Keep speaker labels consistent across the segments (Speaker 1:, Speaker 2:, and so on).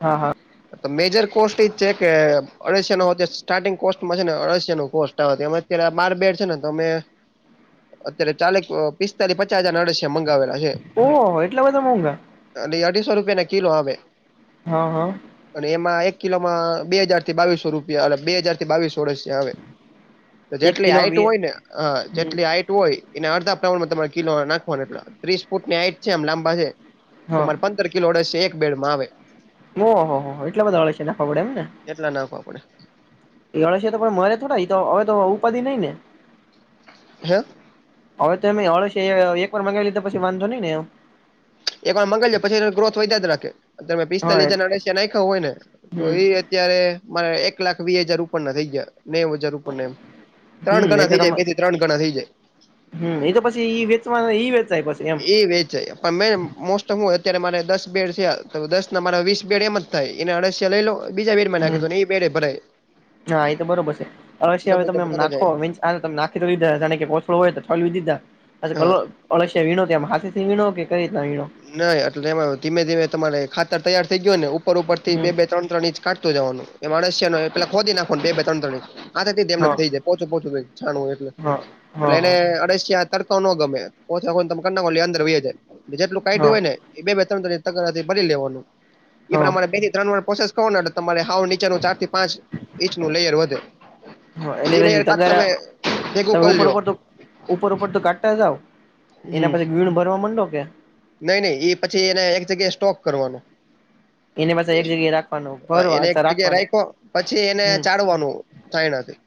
Speaker 1: હા હા
Speaker 2: તો મેજર કોસ્ટ એજ છે કે અલશી નો સ્ટાર્ટિંગ કોસ્ટમાં છે ને અઢશ નો કોસ્ટ આવે, અયારે બાર બેઠ છે ને તમે અત્યારે ચાલેક પિસ્તાલી પચાસ હજાર અડસ મંગાવેલા છે.
Speaker 1: ઓહ એટલા બધા મોંઘા.
Speaker 2: અ અઢીસો રૂપિયાે ના કિલો આવે.
Speaker 1: હા હા
Speaker 2: અને એમાં એક કિલોમાં બે હાજાર થી બાવીસો રૂપિયા બે હાજાર થી બાવીસોળસ આવે.
Speaker 1: એક
Speaker 2: જેટલી
Speaker 1: કિલો
Speaker 2: હાઈટ
Speaker 1: વી
Speaker 2: હોય ને હ
Speaker 1: હમ
Speaker 2: જેટલી હાઇટ હોય એ અડધા પ્રમાણ માં કિલો નાખવા ત્રીસ ફૂટની હાઈટ છે આમ લાંબા છે,
Speaker 1: હા
Speaker 2: તોરે પંદર કિલોડશે એક બેડ માં આવે.
Speaker 1: ઓહ હો એટલા બધા અળસિયા છે નાખબડે એમ ને,
Speaker 2: એટલા નાખવા પડે,
Speaker 1: અળસિયા તો પણ મરે થોડા તો હવે તો ઉપાધિ નઈ ને.
Speaker 2: હે
Speaker 1: હવે તો એમે અળસિયા એક વાર મગાવી લીધા પછી વાંધો નહી ને,
Speaker 2: એકર મંગાઈજ પછી ગ્રોથ વધ્યા જ રાખે તમે
Speaker 1: હા
Speaker 2: પિસ્તાલીસ હજારડ નાખો હોય ને તો
Speaker 1: હમ
Speaker 2: એ અત્યાર મા એક લાખ વી હાજાર રૂપણ ના થઈ ગયા ને જરૂર એમ ત્રણ
Speaker 1: હમ
Speaker 2: ગણા થઈ જાય બેથી ત્રણ ગણા થઈ જાય.
Speaker 1: હમ્મ એ તો પછી એ વેચવા ઈ વેચાય પછી એમ.
Speaker 2: એ વેચે પણ મેન મોસ્ટ ઓફ હું અત્યારે મારે દસ બેડ થયા તો દસ ના મારા વીસ બેડ એમ જ. થાય એના અળસિયા લઈલો,
Speaker 1: હમ્મ હા એ તો બરોબર છે અળસિયા
Speaker 2: ડબલ
Speaker 1: તમે
Speaker 2: ડબલ થતા
Speaker 1: નાખો,
Speaker 2: જાય
Speaker 1: હા, તો તમે નાખી રો લીધા કે ઓછળો હોય તો છળ દીધા.
Speaker 2: હા
Speaker 1: ઓળશ્ય વીણો તેમમ હાથેથી વીણો કે કઈ રીના વીણો.
Speaker 2: નહી એટલે એમાં ધીમે ધીમે તમારે ખાતર તૈયાર થઇ ગયો ને ઉપર ઉપર થી
Speaker 1: હમ
Speaker 2: બે બે. ત્ર ત્રણ ઇંચ કાતતો જવાનું એ માણસ પેલા ખોદી નાખો બે ત્ર ત્ર ઇંચ આ
Speaker 1: હા
Speaker 2: એમ થઈ જ. પોચો પોચું થ છાણું એટલે
Speaker 1: હા હા
Speaker 2: એટલે એને
Speaker 1: હા
Speaker 2: અડસિયા, ત ન ગમે કો અંદર જેટલું કા
Speaker 1: હા
Speaker 2: હોય ને. બે બે ત્રણ તથી ભરી લેવાનું
Speaker 1: હ
Speaker 2: એ પ્રમાણે બેથી ત્રણ વાર પ્રોસેસ કર તમારે ની, નીચે નુ ચાર થી પાંચ ઇંચ નું લેયર વધે,
Speaker 1: હા, એટલે
Speaker 2: એ લેયર
Speaker 1: પછી
Speaker 2: કાચ
Speaker 1: તગરા
Speaker 2: તમે ભેગું
Speaker 1: તમે
Speaker 2: કરી
Speaker 1: ઉપર
Speaker 2: લ્યો
Speaker 1: ઉપર તો, ઉપર ઉપર તો કાઢતા જાવ એના
Speaker 2: હમ
Speaker 1: પાછી વીણ ભરવા માંડો કે.
Speaker 2: નઈ નહી એ પછી એને એક જગ્યાએ સ્ટોક કરવાનો.
Speaker 1: એને પાસે એક જગ્યાએ રાખવાનું ભરવા
Speaker 2: એને એક
Speaker 1: અચ્છા
Speaker 2: જગ્યા
Speaker 1: રાખવાનું
Speaker 2: રાખો પછી એને
Speaker 1: હમ
Speaker 2: ચાડવાનું થાય [inaudible]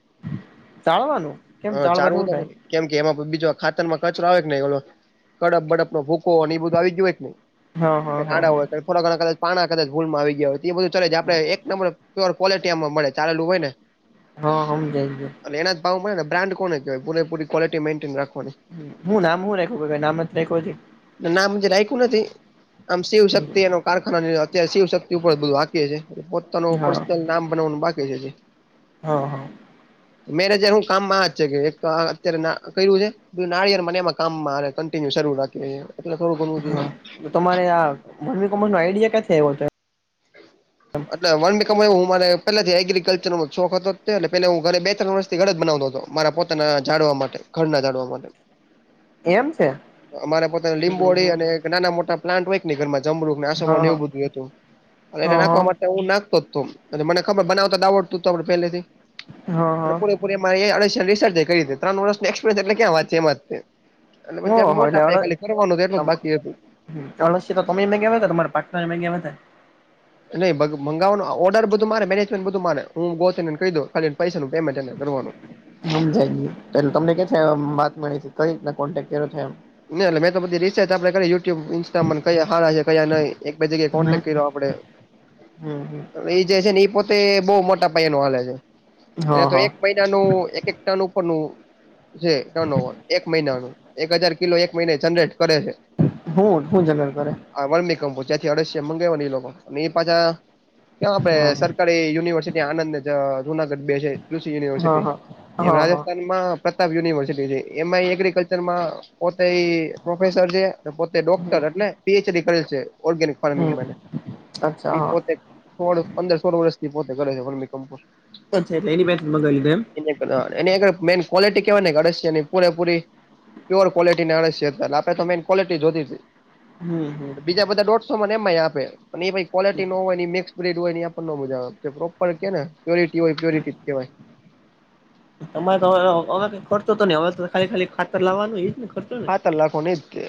Speaker 1: ચાળવાનું. કેમ
Speaker 2: હ
Speaker 1: ચાળવાથી હું
Speaker 2: ચારવું
Speaker 1: થાય
Speaker 2: [inaudible] કેમ કે એમાં બીજો ખાતરમાં કચરો આવે કે નહી ઓલો કડપ બડપનો ભૂકો અને એ બધું આવી ગય હોય કે નહી.
Speaker 1: હા હા
Speaker 2: નાના
Speaker 1: હા
Speaker 2: હોય થોડાક ઘણા કદચ પા કદાચ ભૂલમાં આવી ગયા હોય એ બધું ચલે છે, આપણે એક નંબર પર કો્લિટી આમાં મળે ચાલેું હોય ને.
Speaker 1: હા હમ જઈએ.
Speaker 2: એટ એ જ ભાવ મળેને બ્રાન્ કોને કહેય પૂરે પૂરી ક્ોલિટી મેઇન્ટનખવાની.
Speaker 1: હું નામ હું રાેખું નામ જ રખું છે.
Speaker 2: નાજ રાયકું ના તે. આમ શિવ શક્તિ એનો કારખાના અત્યારે શિવશક્તિ ઉપર બધું આીએ છીએ પોતાનો.
Speaker 1: હા
Speaker 2: નામ બનાવવાનું બાકી છે.
Speaker 1: હા હા.
Speaker 2: મેરે જાર હું કામમાં જ છે કે એક અત્યારે કર્યું છે. નાળિયર મને એમાં કામમાં કન્ટિન્યુ શરૂું રાખી એલે થડું ઘણું જોય.
Speaker 1: હા તમારે આ મનવી કોમર નું આઈડિયા ક થ એવ.
Speaker 2: એ વન વિકમવું હું મારે પેલાથી એગ્રીિકલ્ચર નો શોખ હતોટ પેલે હું ઘરે બે ત્રણ વર્ષ. ઘર જ બનાવતો હતો મારા પોતાના જાડવા માટે ઘરના જાડવા માટે.
Speaker 1: એમ છે
Speaker 2: અમારે પોતાની લીંબોળી અને. નાના મોટા પ્લાન્ટ હોય કેને ઘરમાં જમડુને
Speaker 1: હા હા
Speaker 2: એવું બધું હતું અને એને
Speaker 1: હા
Speaker 2: નાખવા. હું નાખતો જ અને મને ખબર બનાવતા આવડતું હત આપ પહેલેથી પ.
Speaker 1: હા હા
Speaker 2: ત્રણ વર્ષ એટ કંત એમાં. અને પછી આ
Speaker 1: ઓહો
Speaker 2: મોટા પાયે ખાલી ફરનું એટલો જ બાકી હતું.
Speaker 1: હશ તો તમે એ ગયા હતા તમારા પાટ એમાં ગયા્યા હતાા.
Speaker 2: નઈ મગાવવાનું ઓર્ડર બધું મારે મેનેજમેન્ટ બધું મારે હું ગૌતીને કહી દઉ ખાલી પૈસાનું પેમેન્ટને કરવાનું.
Speaker 1: હમ જઈ ગયુંલે તમને કે થ વાત મળી કઈ રીતના કોન્ટેક્ટ કર્યો છે એમ.
Speaker 2: ન એટલે મે તોધી રિસર્ચ આપે કરી યુ્યુબ ઇન્સ્ટામાં પણ કયા સારા છે કયા નહીઈ. એક બે જગ્યાએ
Speaker 1: હમ
Speaker 2: કોન્ટેક્ટ કર્યો આપડે.
Speaker 1: હમ હમ
Speaker 2: એ જે છે ને એ પોતે બહ મોટા પાય ન હાલે છે એને
Speaker 1: હા
Speaker 2: તો
Speaker 1: હા
Speaker 2: એક મહિના. એક એક ટન ઉપર નું છે ટન ઓવર એક મહિનાનું એક હજાર. કિલો એક મહિને જનરેટ કરે છે.
Speaker 1: હું હું જગણ કરે.
Speaker 2: હ વરમી કંપુ જ્યાંથીઢીશ મગાવવાની એ લોકો અને એ પાછા. કે્યાં આપડે
Speaker 1: હા
Speaker 2: સરકારી યુનિવર્સિટી આનંદ જુનાગઢ બે છે. કૃષિ
Speaker 1: હા
Speaker 2: યુનિવર્સિટી
Speaker 1: હા
Speaker 2: એમ
Speaker 1: હા હા
Speaker 2: રાજસ્થાનમાં પ્રતાપ યુનિવર્સિટી છે એમાં એગ્રીિકલ્ચર માં. પોતે એ પ્રોફેસર છે પોતે ડોક્ટર
Speaker 1: હમ
Speaker 2: એટલે પીએચડી કરેલ છે ઓર્ગેનિક. ફારમિંગ
Speaker 1: હમ અચ્છા હા
Speaker 2: પોતે. સોળ પંદર સોળ વર્ષથી પોતે કરે છે પરમી કમપુર.
Speaker 1: એટ એની બે મંગલીને.
Speaker 2: ની મેન ક્વોલિટી કેવાય ને ગશિયાની પૂરેપૂરી પ્યોર. લિટી ના આડસીજાર આપે તો મેન ક્વોલિટી જોતી
Speaker 1: હમ હમ
Speaker 2: બીજા બધા ડોટ મને એમ આપે એ ક્વલિટી નો હોય મિક્સ બડ હોય મજા આવે પ્રોપર કે ને પ્યોરિટી હોય પ્યોરિટી કેવાય
Speaker 1: તમારે તોવે કઈ ખર્ચો તો ન અવે તો ખાલી ખાલી ખાતર લાવાનું જ ને ખચ
Speaker 2: હા તલા કોને તે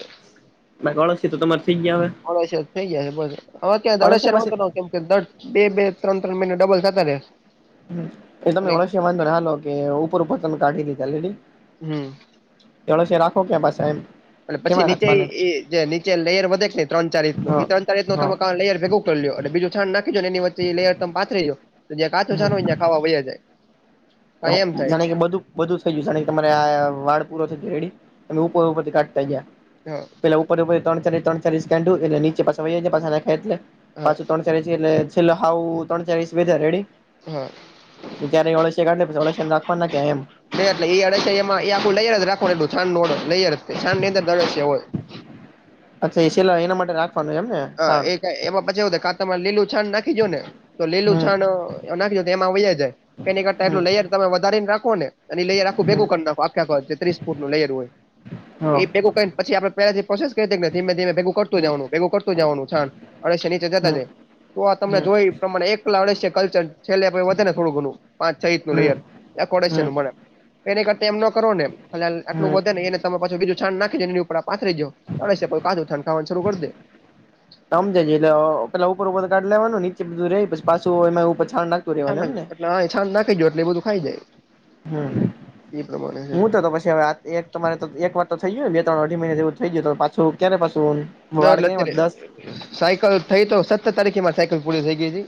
Speaker 1: બાકી અળસિયા તો તમારે થઈ ગયા હવે
Speaker 2: અડસર થઇ જયા છે બસ હવે ક્યાં
Speaker 1: અળસિયા
Speaker 2: અડસર
Speaker 1: પાસે
Speaker 2: ન કે દસ બે બે ત્રણ ત્રણ મહિના ડબલતા રહે
Speaker 1: એ તમે ઓળશ વા હાલ કે ઉપર ઉપર તમે કાઢી દી ચાલે
Speaker 2: હમ
Speaker 1: થોડ રાખો કે બસ સાહેબ
Speaker 2: એ પછી નીચેઈ જે નીચે લેયર વધે છે ને ત્રણ ચાર રીતનું એ
Speaker 1: હા
Speaker 2: ત્રણ ચાર રીતનું
Speaker 1: હા
Speaker 2: ત લેયર ભેગું અને બીજું છાડ નાખી એનીચે લેયર ત પાઠરી જોવ તો જ્યાં કાચો છ ન
Speaker 1: હમ
Speaker 2: હોય ત્યાં ખાવા વૈ જાય કા એમ થાય
Speaker 1: જાણે કે બધું બધું થઈ ગયું કારણ કે તમારે આ વાળ પૂરો થઈ જ રેડી તમે ઉપર ઉપર થી કાઢતા ગયા
Speaker 2: હા
Speaker 1: પેલા ઉપર ઉપર ત્રણ ચા ત્રણ ચા એ નીચે પાછાય પા ખે
Speaker 2: હા
Speaker 1: પાછુ ત્રણ એટલે છેલ્ હ ત્રણ ચાસ બેધા રેડી
Speaker 2: હા
Speaker 1: ક્યારેળ ડા રાખવાના કે એમ
Speaker 2: એટલે એ અડસિયા એમાં એ આખું લય જ રાખો એવું છાંણ લય જ છાંણ ની અંદર અડસિયા હોય
Speaker 1: અચ્છા એ છેેલા એના માટે રાખવાનું એમ ને સાણ
Speaker 2: હ એ એમાં પછી એવું થ કા તમારે લીલું છાણ નાખી ગો ને તો લીલું
Speaker 1: હમ
Speaker 2: છાણ નાખીજો તો એમાં વયા જાય એની કરતા
Speaker 1: હમ
Speaker 2: એટલું લેયર તમે વધારી ને નાખો ને એની લેયર આખું
Speaker 1: હમ
Speaker 2: ભેગું કરી નાખ ત્રીસ ફૂટ નું લેયર હોય
Speaker 1: હા
Speaker 2: એ ભેગું કરી પછી આપણેે પેલાથી પ્રોસેસ કરીને ધીમે ધમે ભેગુ કરતું
Speaker 1: હમ
Speaker 2: જવાનું ભેગું કરતું જવાનું અડશિયા નીચે જતા
Speaker 1: હમ
Speaker 2: જાય તો આ તમને
Speaker 1: હમ
Speaker 2: જોય પ્રમાણે એકલાડશે કલ્ચર છેલ્લે વધે ને થોડું ઘણું પાંચ છ એકનું
Speaker 1: હમ
Speaker 2: લેયર એ આંખું
Speaker 1: હમ
Speaker 2: અળસિયાંને મળે તો એની કરતા એમનો કરો નેલ આટલું
Speaker 1: હમ
Speaker 2: વધે ને એને તમે પાછું બીજું છાણ નાખી એની ઉપર આ પાથરી દો તો અળસિયા પાછુ છાન ખાવાનું શરૂ કરી દે
Speaker 1: સમજેજ એટલે પેલા ઉપર ઉપર કાઢી લેવાનું નીચે બધું રેય પછી પાછું એમાં ઉપર છાણ નાખી
Speaker 2: એટલે છાન નાખી જો એટલે એ બધું ખાઈ જાય.
Speaker 1: હમ
Speaker 2: એ પ્રમાણે છે
Speaker 1: હું તો તો પછી હવે એક તમારે તો એક વાર તો થઈ ગયું બે ત્રણ અઢી મહિના જેવું થઈ ગયું તો પાછું ક્યારે પાછું
Speaker 2: ના
Speaker 1: વાળ
Speaker 2: એટલે
Speaker 1: કઈ દસ
Speaker 2: અત્યારે સાયકલ થઈ તો સત્તર તારીખે મારી સાયકલ પૂરી થઇ ગઈ હતી.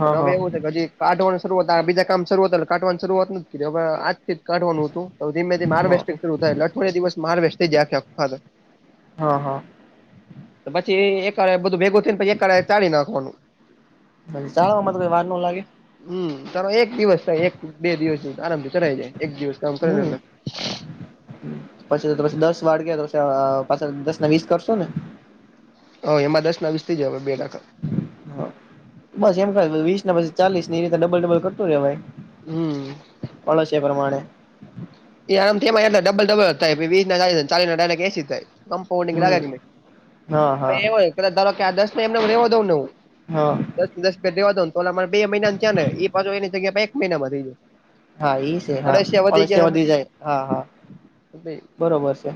Speaker 1: હા
Speaker 2: પણ
Speaker 1: હા
Speaker 2: હવે એવું છે કે હજી કાઢવાની શરૂઆત આ બીજા કામ શરૂ હતા એટલે કાઢવાની શરૂઆત નથી કરી હતી હવે એજ કાઢવાનું હતું તો ધીમે ધીમે માલ
Speaker 1: હા
Speaker 2: વેસ્ટ શરૂ થાય એટલે અઠવાડિયા દિવસ માલ વેસ્ટ થઈ જાય
Speaker 1: હા હા
Speaker 2: તો પછી એકવાર બધું ભેગું એકલાએ ચાળી નાખવાનું.
Speaker 1: ચાળવામાં તો કોઈ વાર ન લાગે
Speaker 2: હમ્મ તારો એક દિવસ થાય એક બે દિવસ આરામથી કરાય જાય એક દિવસ કામ કરીને
Speaker 1: હમ્મ
Speaker 2: એટલે
Speaker 1: પછી તો પછી દસ વાળ ગયા તો પછી પાછા દસ ના વીસ કરશો ને.
Speaker 2: હ એમાં દસના વીસ થઈ જાહે બે ટકા
Speaker 1: હા બસ એમ વીસ ના પછી ચાલીસ ને એ રીતે ડબલ ડબલ કરતું
Speaker 2: હમ
Speaker 1: રેવાય. [unintelligible] છે એ પ્રમાણે
Speaker 2: એ આમ એમાં એટલે ડબલ ડબલ થાય વીસ ને ચાલિશ ના ડાયરેક્ટ એંશી જ થાય. કમ્પાઉડીંગ [unintelligible]
Speaker 1: હમ હા હા
Speaker 2: દસને એમ ને એમ રેવા દઉં ને હું
Speaker 1: હા
Speaker 2: દસ દસ રૂપિયા દેવા ને તો ઓલા માં બે મહિના થીયાને એ પાછો એની જગ્યા એક મહિના માં થઈ જાય.
Speaker 1: હા એઈ છે હા
Speaker 2: અઢાઈસિયા ગયા
Speaker 1: અળસિયા વધી જાય હા હા
Speaker 2: અમે
Speaker 1: બરોબર છે.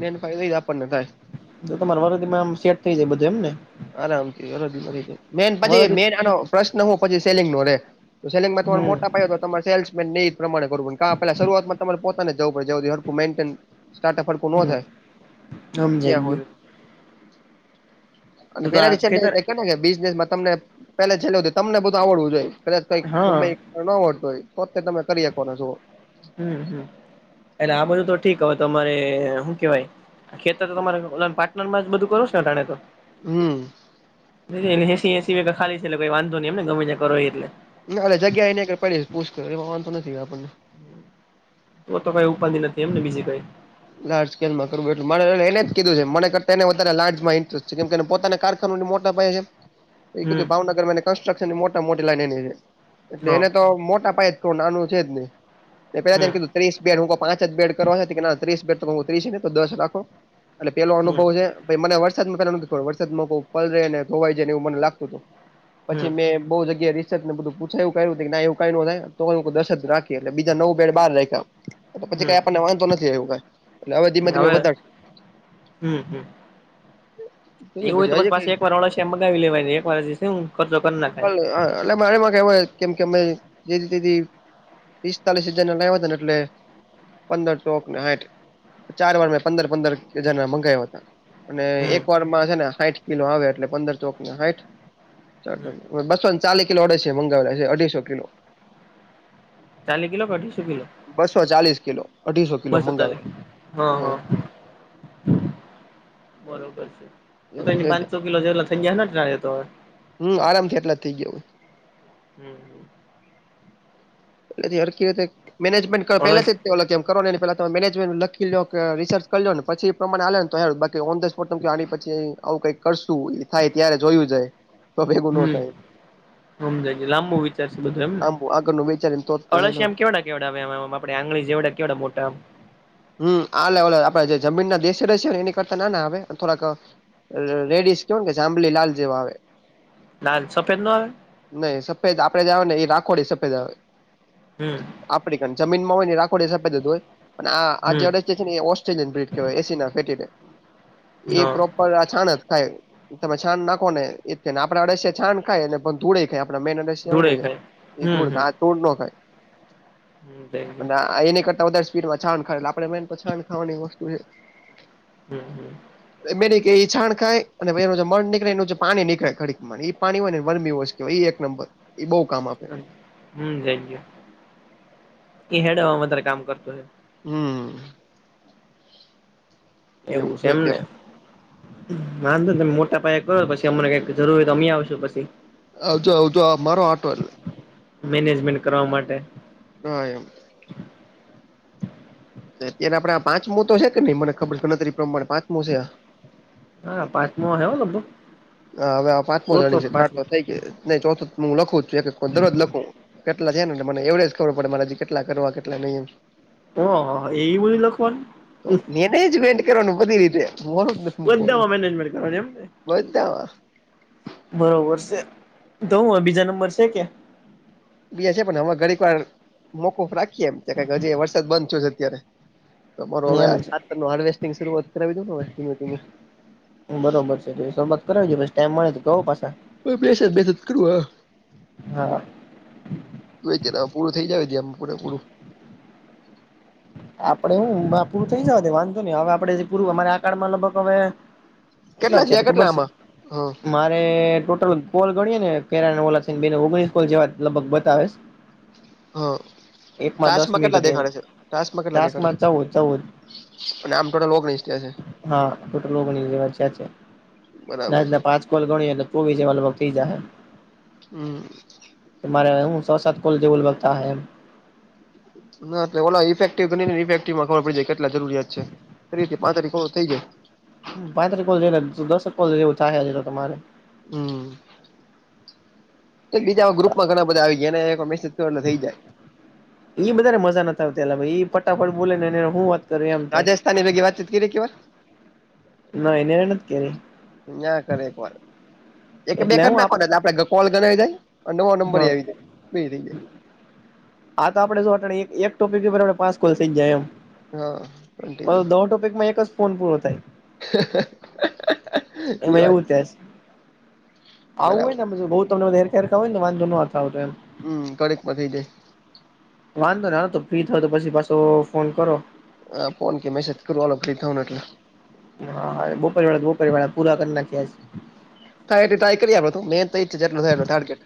Speaker 2: મેન ફાયદો એ આપણને થાય.
Speaker 1: તો તમારા વરદમાંમ સેટ થઈ જાય બધું એમને
Speaker 2: આરામથીરો મેન પછી
Speaker 1: વરદી
Speaker 2: મેન આનો પ્રશ્ન હોું પછી સેલિંગ નો રે સેલિંગમાં તમારે
Speaker 1: હમ
Speaker 2: મોટા પાય તો તમારે સેલ્સમેન એ પ્રમાંણે કરું પેલા શરૂઆતમાં તમારે પોતાને જવું પડેઅ [unintelligible] કો ન
Speaker 1: હમ
Speaker 2: થાય
Speaker 1: સમજાઈ
Speaker 2: ત્યાં
Speaker 1: ગયું
Speaker 2: હોરિ અને
Speaker 1: તો તો આ
Speaker 2: પેલા
Speaker 1: ખેતર
Speaker 2: છેલ્ને બિઝનેસમાં તમને પેલા છેલ્ તમને બધું આવડવું જોઈએ કદાચ કઈક
Speaker 1: હા
Speaker 2: ગમે ન હોતું હોય તોતે તમે કરી શકોને શ
Speaker 1: હમ હમ એટલે આ બધું તો ઠીક હવે તમારે હું કેવાય ખેતર તો તમારે પાટનર માં જ બધું કરું છે ને અતા ણે તો
Speaker 2: હમ
Speaker 1: એ હસી હસી ખાલી છેલે કોઈ વાંધ નહી એમને ગમેા કરો એટલે
Speaker 2: ના એલે જગ્યા એને પડી પુછ એ વાંધતો નથી આપણને
Speaker 1: એ તો કઈ ઉપાડી નથી એમને બીજી કઈ
Speaker 2: લાર્જ સ્કેલમાં કરવટ મારે એને જ કીધું છે મન કરતા વધ લાર્જમાં ઇન્ટસ્ટ કેમ પોતા કાર મોટા પાય એ કીધું
Speaker 1: હમ
Speaker 2: ભાવનગરમાં કન્સ્ટ્રક્શન ની મોટા મોટી લાઈન એની એટલે
Speaker 1: હા
Speaker 2: એને તો મોટા પાયે નાનું છે જને પેલાને
Speaker 1: હમ
Speaker 2: કીધું ત્રીસ બેડ હું પાંચ જ બેડ કરવા હે કે ના ત્રીસ બે ઉતરી ને ત્રીસ તો દસ રાખો એટલે પેલો
Speaker 1: હમ
Speaker 2: અનુભવ છે પ મને વરસાદ પ નથી થોડ વરસાદ પલ રે ને ધોવાઈ જાય ને એવું મને લાગતું હતું પછી
Speaker 1: હમ
Speaker 2: મેં બહુ જગ્યા રિસર્ને બધ પૂછાય એવું કું એવું ક તો દર્ જ રાખી એટલે બીજા નવું બેડ બાર રાખ્યા પછી કઈ
Speaker 1: હમ
Speaker 2: આપને વાંધો નથી આવ્યું કઈ એટલે હવે ધીમે ધીમે વધારશ
Speaker 1: હમ હમ એવું હોય તો પછ પાછ
Speaker 2: કઈ
Speaker 1: એક વાર વળ એમ મગાવી લેવાય ને એક વાર શું ખર્ચો કરી નાખાય
Speaker 2: એટલે મારેમાં [unintelligible] કેવા કેમ કે અમે જે તે પિસ્તાલીસ હજાર ના લાવ ને એટલે પંદર ચોકને હાઈટ ચાર વાર મેં પંદર પંદર હજાર મંગાવયા હતા અને
Speaker 1: હમ
Speaker 2: એક વારમાં છે ને હાઈટ કિલો આવે એટલે પંદર ચોક ને હાઈટ ચાર
Speaker 1: હમ
Speaker 2: ચ બસો ન ચાલી કલોડે અડીસો છે મંગાવેલા છે અઢીસો કિલો
Speaker 1: ચાલી કિલો કે અ ઢી શું કિલો
Speaker 2: બસો ચાલીસ કિલો અઢીસો કિલો
Speaker 1: બસો ચાલી
Speaker 2: મંગાવે છે
Speaker 1: હા હા બરોબર છે તો
Speaker 2: એવું
Speaker 1: એની
Speaker 2: છે
Speaker 1: પાંચસો કિલો જેલા થઈ ગયાને તો
Speaker 2: હમ આરામથી એટલા જ થઈ ગયો હોય
Speaker 1: હમ
Speaker 2: પલેથી હ રીતે મેનેજમેન્ટ કર
Speaker 1: અળસ
Speaker 2: પેલાથી તેમ કરોને પેલા તમેં મેનેજમેન્ટ લખી લો કે રિસર્ચ કરી લો ને પછી એ પ્રમાણે ને હાલોને તો હારુ બાકી ઓંધ સ આ પછી આવું કઈક કરશું એ થાય ત્યારે જોયું જાય તો ભેગું ન
Speaker 1: હમ
Speaker 2: થાય
Speaker 1: સમજાય ગ લાંબુ વિચાર છે બધું એમને
Speaker 2: આમ આગળનું વિચારીને તો જ થાય ને.
Speaker 1: અળશિયામ કેવાડા કેવાડામ આપે આંગળી જેવાડા કેડા મોટામ
Speaker 2: હમ આલે ઓ આપડે જે જમીન ના દેશ ર છે ને એની કરતા ના ના હ થોડાક રેડીસ કેવાને કે છે આંબલી લાલ જેવા આવે
Speaker 1: લાાલસોપ એ આવે
Speaker 2: નઈ સફેદ આપે જ આવે ને એ રાખવાડી સફેદ આવે
Speaker 1: હમ
Speaker 2: આપડી ક જમીનમાં હોય ને રાખોડ એ સફેદ જ હોય પણ આ
Speaker 1: હમ
Speaker 2: આજેડે લ પણ આ
Speaker 1: હા
Speaker 2: છાાન જ ખાય તમે છાાન નાખો ને એને આપણે અડસ છાન ખાયને પણ ધૂળે આપણા મેન એડિયા હોય
Speaker 1: ધૂળે
Speaker 2: ને
Speaker 1: ખાય
Speaker 2: એ
Speaker 1: હમ
Speaker 2: ધૂર ખ
Speaker 1: હમ
Speaker 2: આ ધૂર ન ખાય
Speaker 1: હમ થેન્કયુ
Speaker 2: અને એની કરતા વધારે સ્પીડમાં છાન ખ આપ મેન છાન ખાવાની વસ્તુ છે
Speaker 1: હમ હમ
Speaker 2: બેની કે એઈ છાણ ખાય અને એનું જે મળ નીકળે એનું જે પાણી નીકળે ખડીકમાં એ પાણી હોય ને વરમી હો કેય એ એક નંબર એ બહુ કામ આપે
Speaker 1: હું થેગ્યું ઈ હેડો વધારે કામ કરતો હોય
Speaker 2: હું
Speaker 1: એવું છે એમને વાંધોની તમે મોટા પાયે કરો પછી અમને કઈક જરૂર હોય તો અમેય આવશું પસી
Speaker 2: આવજો આવજો આ મારો આટો એટલે
Speaker 1: મેનેજમેન્ટ કરવા માટે
Speaker 2: હા એમ તેના આપડે પાંચમો તો છે કે નઈ મને ખબર ગણતરી પ્રમાણે પાંચમો છે આં
Speaker 1: આ પાચમો ઓહે અ લગભગ
Speaker 2: આ અવે આ પાંચમો
Speaker 1: ચોથો
Speaker 2: દાણીગ
Speaker 1: કે
Speaker 2: છે ચાર તો
Speaker 1: પાંચમો
Speaker 2: થઈ ગઈ નઈ ચોથું હું લખું છું એક એક પદ દરોજ લખું હું કેટલા છે ને મને એવરેજ ખબર પડે મારે જી કેટલા કરવા કેટલા નઈ એમ
Speaker 1: ઓ હો હો એય બધુ લખવાનું
Speaker 2: એજમેન્ટ કરવાનું બધી રીતે મોરું જ નથી મૂકવાનું
Speaker 1: બધામાં મેનેજમેન્ટ કરવાની એમ ને
Speaker 2: બધામાં
Speaker 1: બરોબર સે તો હું અ બીજા નંબર સે કે
Speaker 2: બે છે પન હવે ઘડીક વાર મોકૂફ રાખીએ એમ હજીએ વરસાદ બંધ થયો છે અત્યારે તમારો અવે આ
Speaker 1: એમ છે
Speaker 2: ખારતનું હાર્વેસ્ટિંગ શરૂઆત કરાવી દો ને અવે ધીમે ધીમે
Speaker 1: બરોબર છે તો એ શમઆત કરાવજે પસી ટાઈમ મળે તો કવો પાસા
Speaker 2: કોઈ બેસેજ બેસજ કરવા
Speaker 1: હા
Speaker 2: તુ એચેદા પૂરું થઈ જાય જેમ પૂરે પૂરું
Speaker 1: આપડે હું મા પૂરું થઈ જવા દે વાંધો નઈ હવે આપડે જે પૂરવ મારે આ કાડમાં લગભગ અવે કેટલા ચે
Speaker 2: થયા
Speaker 1: ત ખબર સે
Speaker 2: આમાં હા
Speaker 1: મારે ટોટલ કોલ ગણીએ ને કેરા ને ઓલા છે ને બે ને ઓગણીસ કોલ જેવા લગભગ બતાવે
Speaker 2: હ
Speaker 1: એકમાં દસ
Speaker 2: ટાશમાં
Speaker 1: મિનિટ
Speaker 2: કેટલા
Speaker 1: હતી
Speaker 2: દેખાડે છે? ટાસ માં કેટલા દેખાડે
Speaker 1: ટાસ્કમાં ચૌદ ચૌદ
Speaker 2: અને આમ ટોટલ ઓગણીસ થયા છે
Speaker 1: હા ટોટલ ઓગણીસ જેવા થયા છે
Speaker 2: બરાબર છે
Speaker 1: આજના પાંચ કોલ ગણીએ એટલે ચોવીસ જેવા લગભગ થઈ જાહે
Speaker 2: હું
Speaker 1: મારે હું સો સાત કોલ જેવો લબગ થાહે એમ
Speaker 2: ના એટલે ઓલા ઈફેક્ટિવ ગની ને ઈફેક્ટિવ માં ખબર પડી જાય કેટલા જરૂરિયાત છે. ત્રીહ કે પાંત્રી ખવર થઈ જાય
Speaker 1: પાંત્રી કોલ જઈલાદ દસક કોલ ચા હે તમારે
Speaker 2: હું એક બીજા ગ્રુપમાં ઘણા બધા આવી ગીયાને એક મેસેજ તોને થઈ જાય
Speaker 1: ઇ બધાને મજા નતી આવતી લા ઇ ફટાફટ બોલે ને એને હું વાત કરું એમ થાય.
Speaker 2: રાજસ્થાની ભેગી વાતચીત કયરી કે વાર
Speaker 1: ના એને હે નથી કરી.
Speaker 2: ન્યા કરે એક વાર એક બે
Speaker 1: એટલે
Speaker 2: કરી
Speaker 1: હું આપ
Speaker 2: નાખવાના એટલે આપડે ગ કોલ ગણાય જાય. અન નવો નંબર એ
Speaker 1: હા
Speaker 2: આવી જાય બે રીતે.
Speaker 1: આ તો આપડે શોટળે એક એક ટોપિક બરાબરે પાંસ કોલ થઈ જાય એમ.
Speaker 2: હા
Speaker 1: અ દોટો પેકમાં એક જ ફોન પૂરો થાય.
Speaker 2: ઇ
Speaker 1: એમાં
Speaker 2: વાત
Speaker 1: એવું
Speaker 2: છે
Speaker 1: થાય
Speaker 2: [unintelligible]
Speaker 1: આવું હોય
Speaker 2: બરાબર
Speaker 1: ને પછી બઉ તમને હેર ખેર ખા હોય ને ત વાંધો નતો આવતો એમ.
Speaker 2: હમ કડીક પતી જાય.
Speaker 1: વાંધો નાવતો ફ્રી થાવ તો પછી પાછો ફોન કરો.
Speaker 2: હ ફોન કે મેસેજ કરૂ આલો ફ્રી થાવ ને એટલે.
Speaker 1: હાય બોપરી વાળા બોપરી વાળા પૂરા કરી નાખ્યા છે.
Speaker 2: થાય એટે ટાય કરીએ આપડે તો મેન તો ઇ જ છે જેટલું થાય એટલું ટાર્ગેટ